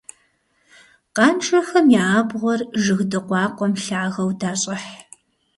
Къанжэхэм я абгъуэр жыг дыкъуакъуэм лъагэу дащӀыхь.